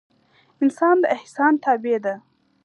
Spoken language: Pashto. انسان د احسان تابع ده